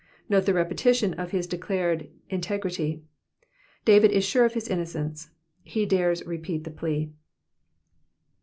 Note the repetition of his declaration of integrity. David is sure of his innocence. He dares repeat the plea.